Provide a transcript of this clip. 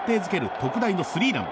特大のスリーラン。